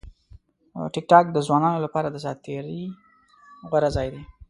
ټیکټاک د ځوانانو لپاره د ساعت تېري غوره ځای دی.